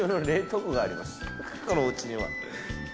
このおうちには。